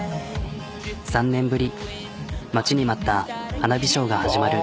３年ぶり待ちに待った花火ショーが始まる。